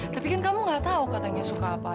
tapi kan kamu gak tahu katanya suka apa